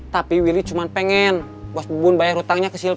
tapi willy cuma pengen bos bugun bayar hutangnya ke silvia